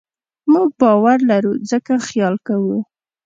موږ باور لرو؛ ځکه خیال کوو.